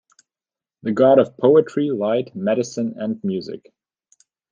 The god of poetry, light, medicine and music.